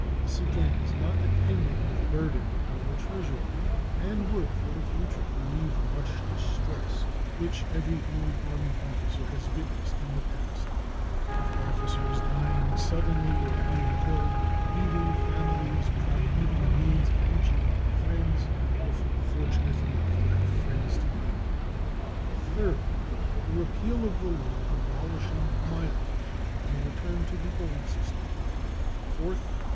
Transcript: This again is not attended with burden upon the Treasury, and would for the future relieve much distress which every old army officer has witnessed in the past of officers dying suddenly or being killed, leaving families without even the means of reaching their friends, if fortunate enough to have friends to aid them. Third. The repeal of the law abolishing mileage, and a return to the old system. Fourth.